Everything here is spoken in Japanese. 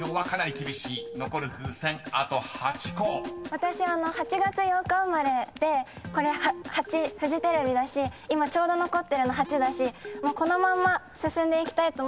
私８月８日生まれでこれ８フジテレビだし今ちょうど残ってるの８だしもうこのまんま進んでいきたいと思います。